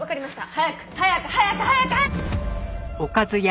早く！早く早く早く早く！